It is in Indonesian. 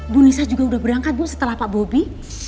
bu nisa juga udah berangkat setelah pak bobby